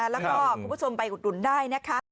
แล้วก็คุณผู้ชมไปอุดหนุนได้นะคะ